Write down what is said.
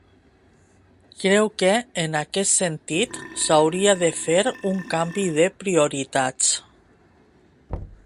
Creu que, en aquest sentit, s’hauria de fer un canvi de prioritats.